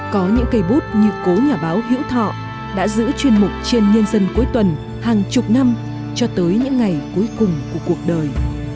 có những cây bút như cố nhà báo hữu thọ đã giữ chuyên mục trên nhân dân cuối tuần hàng chục năm cho tới những ngày cuối cùng của cuộc đời